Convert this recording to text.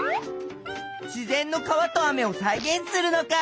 自然の川と雨をさいげんするのか。